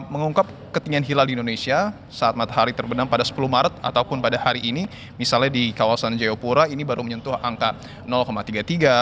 mengungkap ketinggian hilal di indonesia saat matahari terbenam pada sepuluh maret ataupun pada hari ini misalnya di kawasan jayapura ini baru menyentuh angka tiga puluh tiga